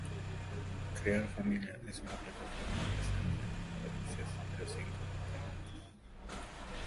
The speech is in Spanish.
Crear Familia es una plataforma presente en países de los cinco continentes.